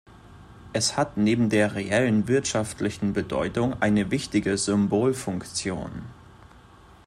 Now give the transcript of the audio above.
Es hat neben der reellen wirtschaftlichen Bedeutung eine wichtige Symbolfunktion.